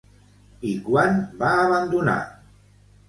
I quan va abandonar?